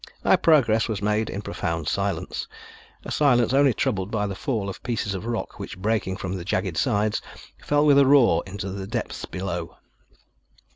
Our progress was made in profound silence a silence only troubled by the fall of pieces of rock, which breaking from the jagged sides, fell with a roar into the depths below.